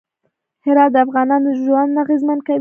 هرات د افغانانو ژوند اغېزمن کوي.